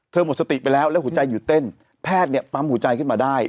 หมดสติไปแล้วแล้วหัวใจหยุดเต้นแพทย์เนี่ยปั๊มหัวใจขึ้นมาได้